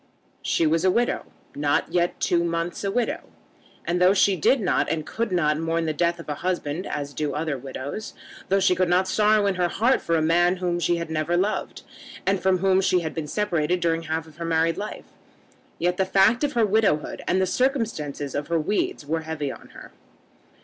She was a widow, not yet two months a widow; and though she did not and could not mourn the death of a husband as do other widows, though she could not sorrow in her heart for a man whom she had never loved, and from whom she had been separated during half her married life, yet the fact of her widowhood and the circumstances of her weeds were heavy on her.